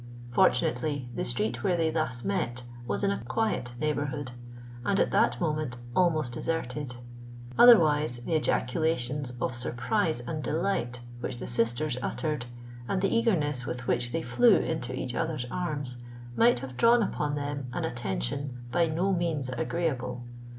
Fortunately the street where they thus met was in a quiet neighbourhood and at that moment almost deserted: otherwise, the ejaculations of surprise and delight which the sisters uttered, and the eagerness with which they flew into each other's arms, might have drawn upon them an attention by no means agreeable.